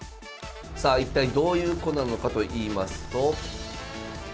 さあ一体どういう子なのかといいますと。